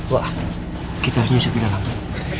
buak kita harus nyusupin dalam